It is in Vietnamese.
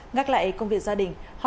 ngác lại công việc gia đình